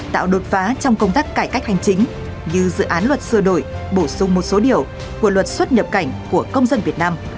tạo đột phá trong công tác cải cách hành chính như dự án luật sửa đổi bổ sung một số điều của luật xuất nhập cảnh của công dân việt nam